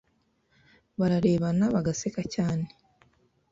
Bararebana bagaseka cyane